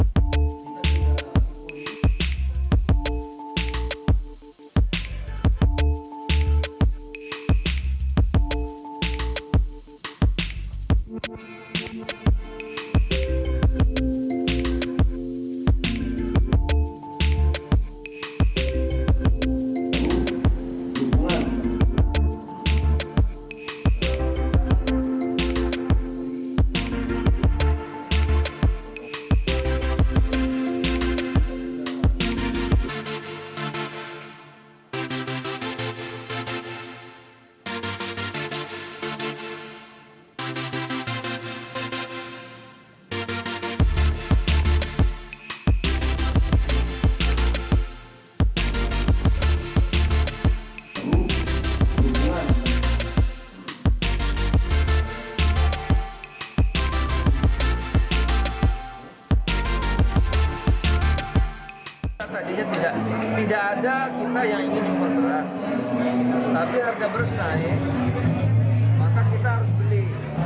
tidak ada kita yang ingin beras tapi harga berkait maka kita harus beli